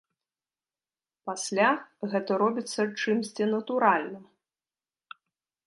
Пасля гэта робіцца чымсьці натуральным.